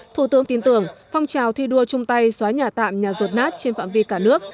thủ tướng tin tưởng phong trào thi đua chung tay xóa nhà tạm nhà rột nát trên phạm vi cả nước